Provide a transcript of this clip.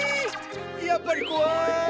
やっぱりこわい！